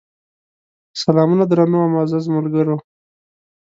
سلامونه درنو او معزز ملګرو!